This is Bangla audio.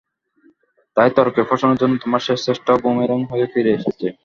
তাই তাকে ফাঁসানোর জন্য, তোমার শেষ চেষ্টাও বুমেরাং হয়ে ফিরে এসেছে।